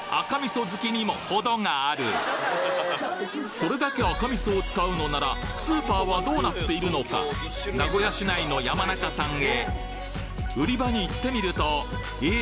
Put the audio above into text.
それだけ赤味噌を使うのならスーパーはどうなっているのか売り場に行ってみるとえ？